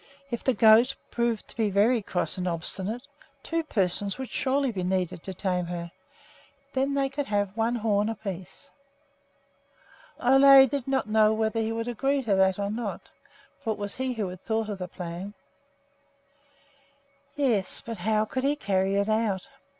If the goat proved to be very cross and obstinate, two persons would surely be needed to tame her. Then they could have one horn apiece. Ole did not know whether he would agree to that or not, for it was he who had thought of the plan. Yes, but how could he carry it out?